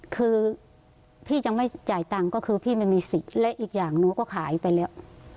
คือพี่ยังไม่จ่ายตังค์ก็คือพี่ไม่มีสิทธิ์และอีกอย่างหนูก็ขายไปแล้ว